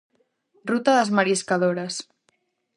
Ruta das mariscadoras.